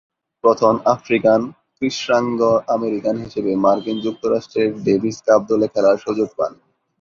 প্রথম আফ্রিকান কৃষ্ণাঙ্গ আমেরিকান হিসেবে মার্কিন যুক্তরাষ্ট্রের ডেভিস কাপ দলে খেলার সুযোগ পান।